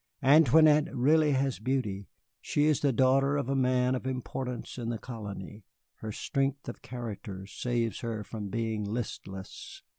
Antoinette really has beauty, she is the daughter of a man of importance in the colony, her strength of character saves her from being listless.